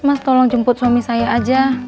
mas tolong jemput suami saya aja